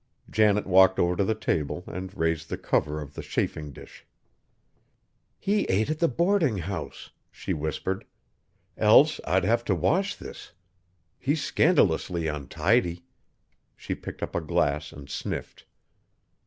Janet walked over to the table and raised the cover of the chafing dish. "He ate at the boarding house," she whispered, "else I'd have to wash this. He's scandalously untidy!" She picked up a glass and sniffed.